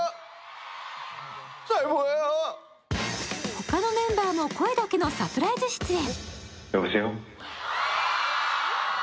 他のメンバーも声だけのサプライズ出演。